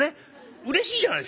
うれしいじゃないですか。